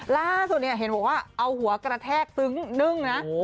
ล่าสุดเนี่ยเห็นบอกว่าเอาหัวกระแทกซึ้งนึ่งนะ